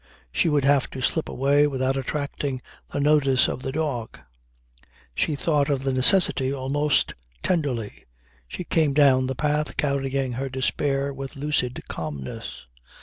She would have to slip away without attracting the notice of the dog. She thought of the necessity almost tenderly. She came down the path carrying her despair with lucid calmness.